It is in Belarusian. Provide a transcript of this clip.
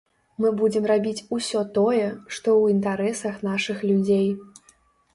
Мы будзем рабіць усё тое, што ў інтарэсах нашых людзей.